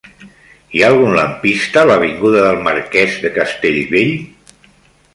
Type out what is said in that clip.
Hi ha algun lampista a l'avinguda del Marquès de Castellbell?